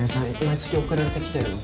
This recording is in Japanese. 毎月送られてきてるの？